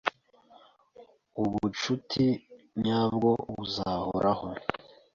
Ubucuti nyabwo buzahoraho.